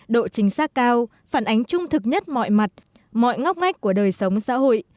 độ chính xác cao phản ánh trung thực nhất mọi mặt mọi ngóc ngách của đời sống xã hội